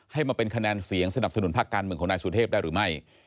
ให้มาเป็นคะแนนเสียงสนับสนุนภาคการเมืองของนายสุเทพได้หรือไม่